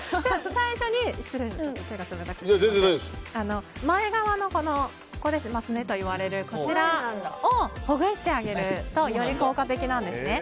最初に、前側のすねといわれるこちらをほぐしてあげるとより効果的なんですね。